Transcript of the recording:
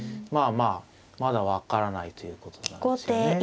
まあまあまだ分からないということなんですよね。